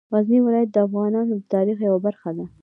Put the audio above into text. غزني ولایت د افغانانو د تاریخ یوه برخه ده.